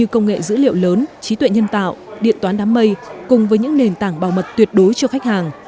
công nghệ dữ liệu lớn trí tuệ nhân tạo điện toán đám mây cùng với những nền tảng bảo mật tuyệt đối cho khách hàng